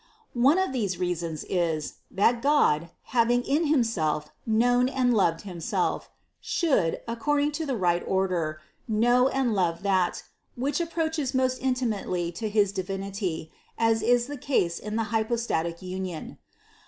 One of these reasons is, that God, having in Himself known and loved Himself, should, according to right or der, know and love that, which approaches most inti mately to his Divinity, as is the case in the hypostatic union.